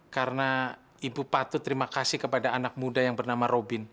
karena ibu patut terima kasih kepada anak muda yang bernama robin